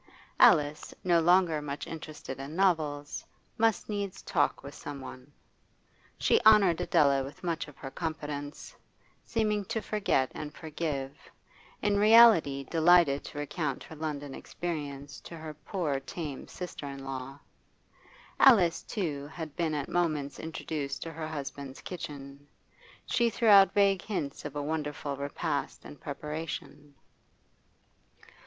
Alice, no longer much interested in novels, must needs talk with some one; she honoured Adela with much of her confidence, seeming to forget and forgive, in reality delighted to recount her London experiences to her poor tame sister in law. Alice, too, had been at moments introduced to her husband's kitchen; she threw out vague hints of a wonderful repast in preparation.